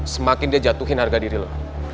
semakin dia jatuhin harga diri loh